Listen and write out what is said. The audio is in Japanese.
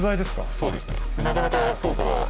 そうですね。